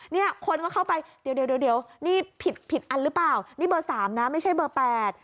เนี่ยคนก็เข้าไปเดี๋ยวเดี๋ยวนี่ผิดผิดอันหรือเปล่านี่เบอร์สามนะไม่ใช่เบอร์แปด